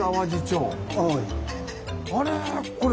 あれ？